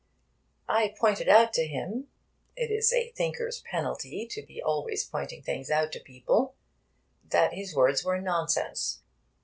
I pointed out to him (it is a thinker's penalty to be always pointing things out to people) that his words were nonsense.